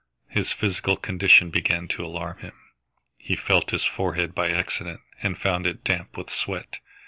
His physical condition began to alarm him. He felt his forehead by accident and found it damp with sweat.